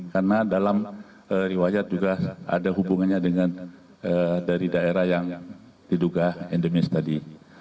karena dalam riwayat juga ada hubungannya dengan dari daerah yang diduga endemis tadi